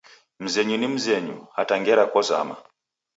Mzenyu ni mzenyu, hata ngera kozama